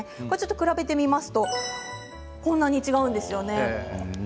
比べてみますとこんなに違うんですよね。